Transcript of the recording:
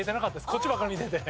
こっちばっかり見てて。